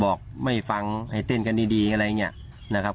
บอกไม่ฟังให้เต้นกันดีอะไรอย่างนี้นะครับ